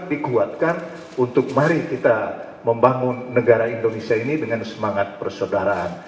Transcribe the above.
dikuatkan untuk mari kita membangun negara indonesia ini dengan semangat persaudaraan